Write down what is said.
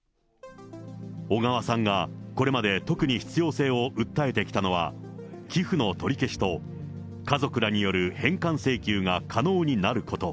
小川さんが、これまで特に必要性を訴えてきたのは、寄付の取り消しと、家族らによる返還請求が可能になること。